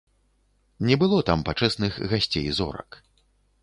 Не было там пачэсных гасцей-зорак.